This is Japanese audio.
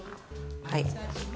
はい。